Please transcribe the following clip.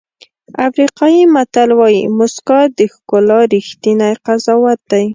افریقایي متل وایي موسکا د ښکلا ریښتینی قضاوت دی.